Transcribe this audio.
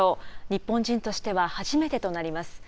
日本人としては初めてとなります。